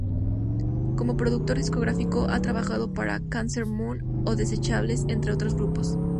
Como productor discográfico ha trabajado para Cancer Moon o Desechables, entre otros grupos.